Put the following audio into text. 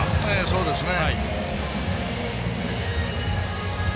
そうですね。